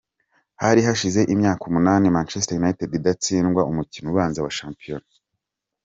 Hari hashize imyaka umunani Manchester United idatsindwa umukino ubanza wa shampiyona.